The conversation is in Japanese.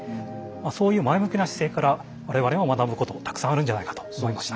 そういう前向きな姿勢から我々も学ぶことたくさんあるんじゃないかと思いました。